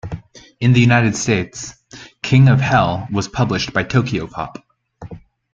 In the United States, "King of Hell" was published by Tokyopop.